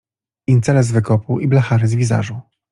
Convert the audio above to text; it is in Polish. Incele z Wykopu i blachary z Wizażu.